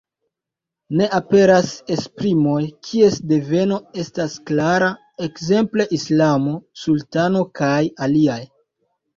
Ne aperas esprimoj, kies deveno estas klara, ekzemple islamo, sultano kaj aliaj.